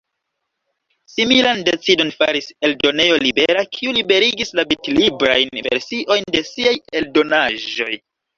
Similan decidon faris Eldonejo Libera, kiu liberigis la bitlibrajn versiojn de siaj eldonaĵoj.